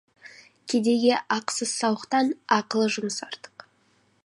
Кедейге ақысыз сауықтан ақылы жұмыс артық.